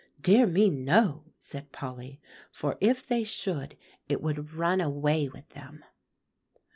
"Dear me, no," said Polly; "for if they should, it would run away with them."